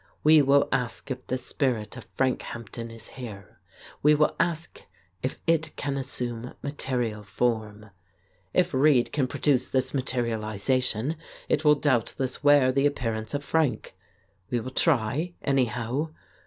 We will ask if the spirit of Frank Hampden is here. 158 The Case of Frank Hampden We will ask if it can assume material form. If Reid can produce this materialization, it will doubtless wear the appearance of Frank. We will try, anyhow.